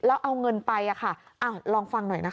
อ้าวลองฟังหน่อยนะคะ